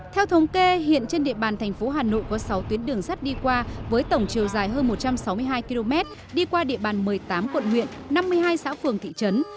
theo thống kê hiện trên địa bàn thành phố hà nội có sáu tuyến đường sắt đi qua với tổng chiều dài hơn một trăm sáu mươi hai km đi qua địa bàn một mươi tám quận huyện năm mươi hai xã phường thị trấn